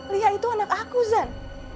lia itu anak aku zan